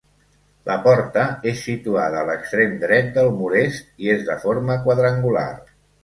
La porta és situada a l'extrem dret del mur est i és de forma quadrangular.